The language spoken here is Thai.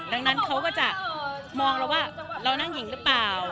ดังนั้นเขาก็จะมองเราว่าเรานั่งหญิงหรือเปล่า